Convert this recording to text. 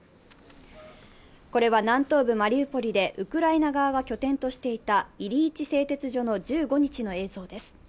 これは南東部マリウポリでウクライナ側が拠点としていたイリイチ製鉄所の１５日の映像です。